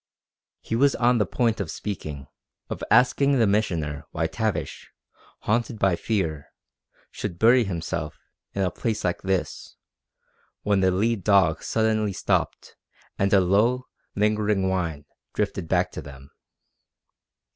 He was on the point of speaking, of asking the Missioner why Tavish, haunted by fear, should bury himself in a place like this, when the lead dog suddenly stopped and a low, lingering whine drifted back to them.